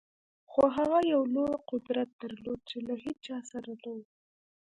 خو هغه یو لوی قدرت درلود چې له هېچا سره نه و